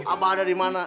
apa ada di mana